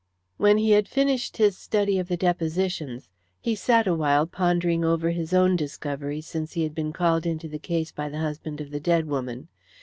When he had finished his study of the depositions, he sat awhile pondering over his own discoveries since he had been called into the case by the husband of the dead woman.